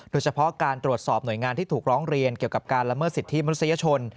โดยเฉพาะการตรวจสอบหน่วยงานที่ถูกร้องเรียนเกี่ยวกับการละเมิดสิทธิมนุษยชน